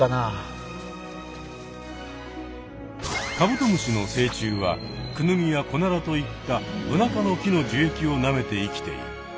カブトムシの成虫はクヌギやコナラといったブナ科の木の樹液をなめて生きている。